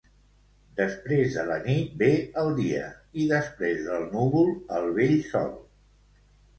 Després de la nit ve el dia, i després del núvol el bell sol.